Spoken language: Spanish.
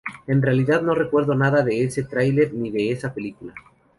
En realidad no recuerdo nada de ese trailer ni de esa película.